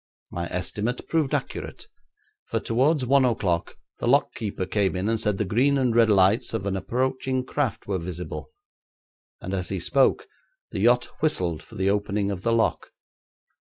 My estimate proved accurate, for towards one o'clock the lock keeper came in and said the green and red lights of an approaching craft were visible, and as he spoke the yacht whistled for the opening of the lock.